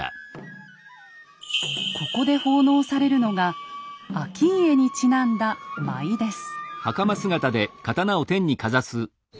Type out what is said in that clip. ここで奉納されるのが顕家にちなんだ舞です。